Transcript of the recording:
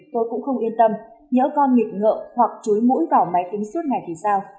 tôi cũng không yên tâm nhỡ con nghịch ngợm hoặc chúi mũi vào máy tính suốt ngày thì sao